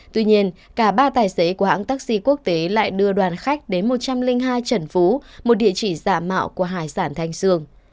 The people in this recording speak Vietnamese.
tuy nhiên cả ba tài xế của hãng taxi quốc tế lại đưa đoàn khách đến một trăm linh hai trần phú một địa chỉ giả mạo của hải sản thanh sương